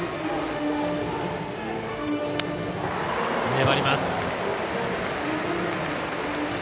粘ります。